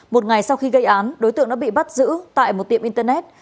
một ngày sau khi gây án đối tượng đã bị bắt giữ tại một tiệm internet